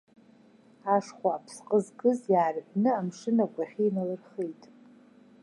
Ашхәа аԥсҟы зкыз иаарҳәны амшын агәахьы иналырхеит.